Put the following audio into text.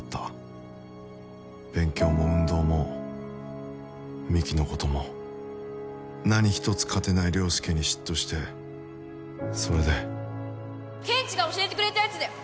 勉強も運動も美紀のことも何一つ勝てない良介に嫉妬してそれでケンチが教えてくれたやつだよ。